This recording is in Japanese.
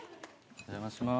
お邪魔します。